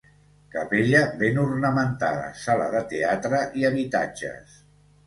Capella ben ornamentada, sala de teatre i habitatges.